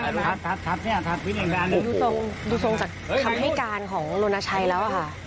ดูตรงดูตรงจากคำให้การของโรนาชัยแล้วค่ะ